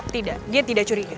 tidak dia tidak curiga